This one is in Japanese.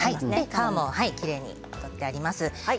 皮もきれいに取ってあります。